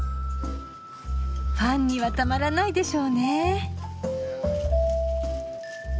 ファンにはたまらないでしょうね。